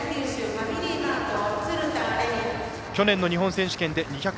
去年の日本選手権で２００ｍ２位。